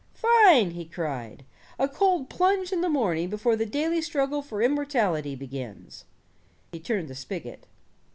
"Fine," he cried, "a cold plunge in the morning before the daily struggle for immortality begins." He turned the spigot.